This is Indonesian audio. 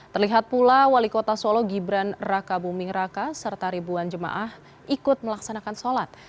terlihat pula wali kota solo gibran raka buming raka serta ribuan jemaah ikut melaksanakan sholat